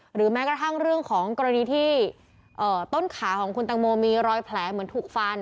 หรือแม้กระทั่งเรื่องของกรณีที่ต้นขาของคุณตังโมมีรอยแผลเหมือนถูกฟัน